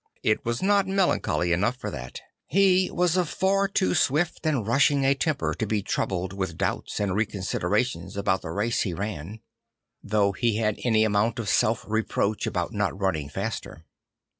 It was not melancholy enough for that. He was of far too swift and rushing a temper to be troubled \vith doubts and reconsiderations about the race he ran; though he had any amount of self reproach about not running faster.